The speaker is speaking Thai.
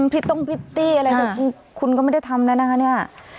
พิตรต้งพิตตี้อะไรคุณก็ไม่ได้ทำแล้วนะคะเนี่ย